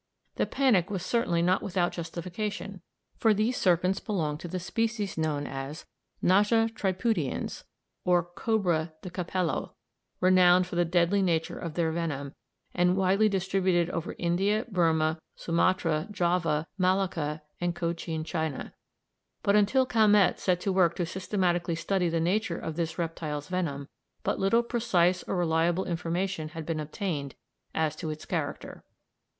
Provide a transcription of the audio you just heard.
The panic was certainly not without justification, for these serpents belonged to the species known as naja tripudians, or cobra de capello, renowned for the deadly nature of their venom, and widely distributed over India, Burmah, Sumatra, Java, Malacca, and Cochin China; but until Calmette set to work to systematically study the nature of this reptile's venom but little precise or reliable information had been obtained as to its character.